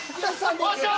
よっしゃ！